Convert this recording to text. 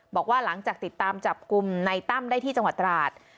บอกว่าหลังจากติดตามจับกลุ่มในตั้มได้ที่จังหวัดตราด